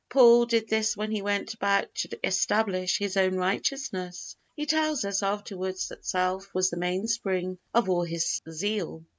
Paul did this when he went about to establish his own righteousness. He tells us afterwards that self was the mainspring of all his zeal.